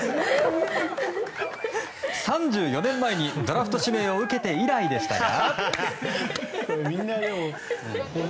３４年前にドラフト指名を受けて以来でしたが。